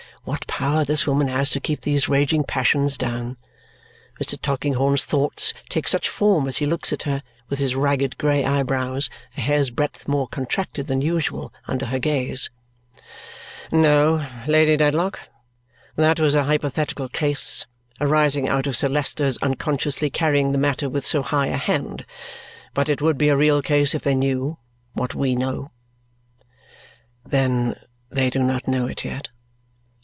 What power this woman has to keep these raging passions down! Mr. Tulkinghorn's thoughts take such form as he looks at her, with his ragged grey eyebrows a hair's breadth more contracted than usual under her gaze. "No, Lady Dedlock. That was a hypothetical case, arising out of Sir Leicester's unconsciously carrying the matter with so high a hand. But it would be a real case if they knew what we know." "Then they do not know it yet?"